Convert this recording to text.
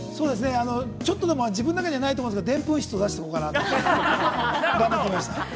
ちょっとでも、自分の中にないと思うんですけど、でんぷん質を出して行こうかなと思って。